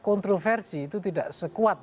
kontroversi itu tidak sekuat